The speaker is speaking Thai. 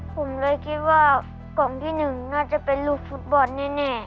ผมเลยคิดว่ากล่องที่หนึ่งน่าจะเป็นลูกฟุตบอลแน่